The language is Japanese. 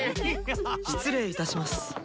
失礼いたします。